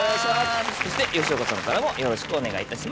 そして吉岡さんからもよろしくお願いいたします。